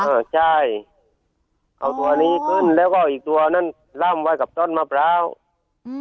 อ่าใช่เอาตัวนี้ขึ้นแล้วก็อีกตัวนั้นล่ำไว้กับต้นมะพร้าวอืม